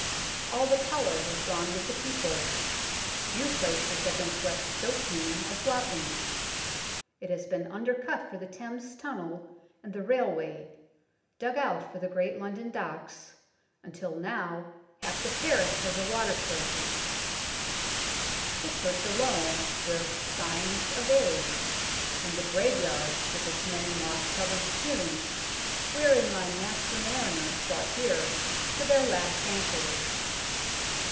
All the colour has gone with the people. Few places have been swept so clean as Wapping. It has been undercut for the Thames Tunnel and the railway, dug out for the great London Docks, until now half the parish has a water surface. The church alone wears signs of age, and the graveyard with its many moss covered tombs, wherein lie master mariners brought here to their last anchorage.